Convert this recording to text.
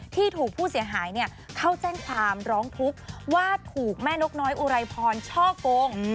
ที่ถูกผู้เสียหายเข้าแจ้งความร้องทุกข์ว่าถูกแม่นกน้อยอุไรพรช่อกง